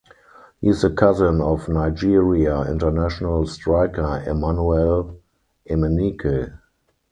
He is the cousin of Nigeria international striker Emmanuel Emenike.